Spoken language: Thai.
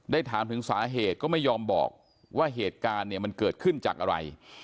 ถามถึงสาเหตุก็ไม่ยอมบอกว่าเหตุการณ์เนี่ยมันเกิดขึ้นจากอะไร